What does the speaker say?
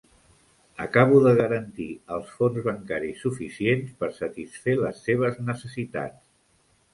Acabo de garantir els fons bancaris suficients per satisfer les seves necessitats.